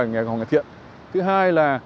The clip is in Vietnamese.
ngày càng ngày thiện thứ hai là